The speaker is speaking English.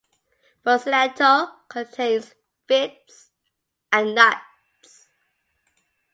Buccellato contains figs and nuts.